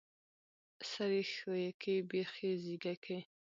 ـ سر يې ښويکى، بېخ يې زيږکى.